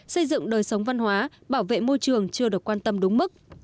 xây dựng đời sống văn hóa bảo vệ môi trường chưa được quan tâm đúng mức